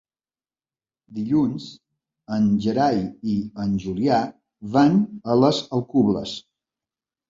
Dilluns en Gerai i en Julià van a les Alcubles.